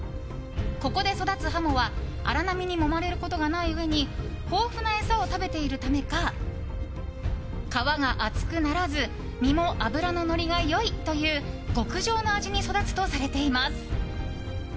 ここで育つハモは荒波にもまれることがないうえに豊富な餌を食べているためか皮が厚くならず身も脂ののりが良いという極上の味に育つとされています。